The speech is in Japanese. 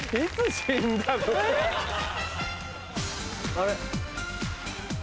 あれ？